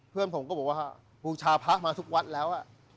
เพื่อนผมก็บอกว่าบูชาพระมาทุกวัดแล้ว